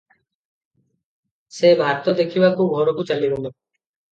ସେ ଭାତ ଦେଖିବାକୁ ଘରକୁ ଚାଲିଗଲେ ।